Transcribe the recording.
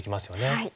はい。